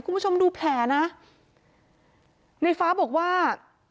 คุณผู้ชมดูแผลนะในฟ้าบอกว่า